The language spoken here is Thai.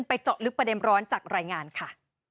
เจาะลึกประเด็นร้อนจากรายงานค่ะ